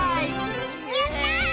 やった！